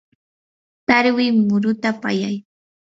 tarwi muruta pallay.